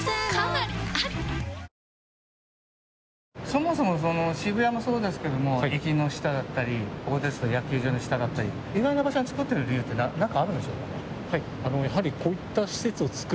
そもそもその渋谷もそうですけれども駅の下だったりここですとか野球場の下だったり意外な場所に作っている理由って何かあるんでしょうか。